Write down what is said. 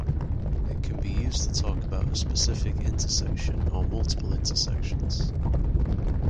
It can be used to talk about a specific intersection or multiple intersections.